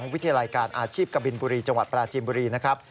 วิทยาลัยการอาชีพกบินบุรีจังหวัดปราจีนบุรีนะครับ